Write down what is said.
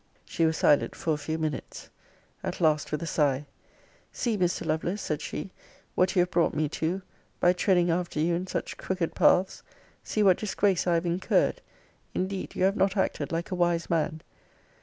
She was silent for a few minutes. At last, with a sigh, See, Mr. Lovelace, said she, what you have brought me to, by treading after you in such crooked paths! See what disgrace I have incurred! Indeed you have not acted like a wise man.